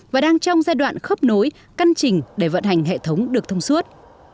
và đang trong giai đoạn khớp nối căn chỉnh để vận hành hệ thống được thông suốt